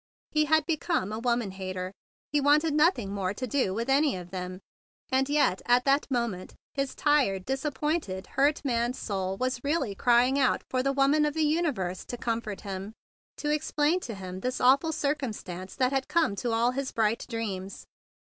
He had become a woman hater. He wanted nothing more to do with any of them. And yet at that moment his tired, disappointed, hurt man's soul was really crying out for the woman of the universe to comfort him, to explain to him this awful cir¬ cumstance that had come to all his bright dreams.